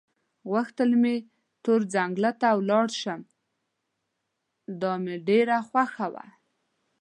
غوښتل مې تور ځنګله ته ولاړ شم، دا مې ډېره خوښه وه.